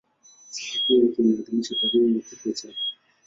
Sikukuu yake inaadhimishwa tarehe ya kifo chake.